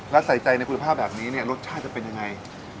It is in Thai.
และใส่ใจในคุณภาพแบบนี้เนี่ยรสชาติจะเป็นยังไง